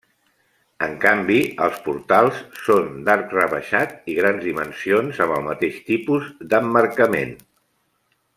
En canvi, els portals són d'arc rebaixat i grans dimensions amb el mateix tipus d'emmarcament.